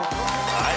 はい。